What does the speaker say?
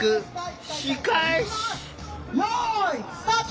「よいスタート！